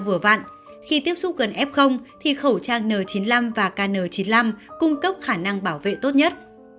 vở khi tiếp xúc gần f thì khẩu trang n chín mươi năm và kn chín mươi năm cung cấp khả năng bảo vệ tốt nhất